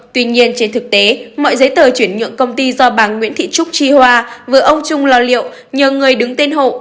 tuy nhiên trên thực tế mọi giấy tờ chuyển nhượng công ty do bà nguyễn thị trúc chi hoa vừa ông trung lo liệu nhờ người đứng tên hộ